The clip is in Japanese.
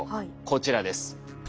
こちらです。